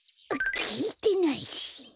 きいてないし。